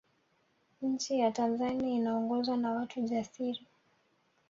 nchi ya tanzani inaongozwa na watu jasiri